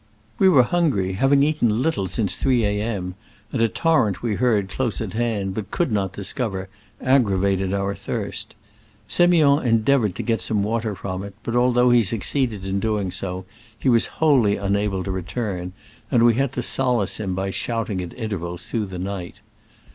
We were hungry, having eaten little since three A. M., and a torrent we heard close at hand, but could not discover, aggra vated our thirst. Semiond endeavored to get some water from it, but although he succeeded in doing so, he was wholly unable to return, and we had to solace him by shouting at intervals through the night.